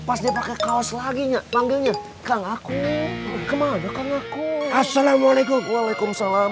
pasti pakai kaos lagi nyatangnya kang aku kemana kan aku assalamualaikum waalaikumsalam